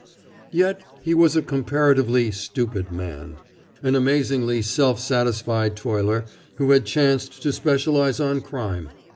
Yet he was a comparatively stupid man, an amazingly self satisfied toiler who had chanced to specialize on crime.